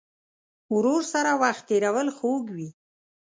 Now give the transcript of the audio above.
ورور سره وخت تېرول خوږ وي.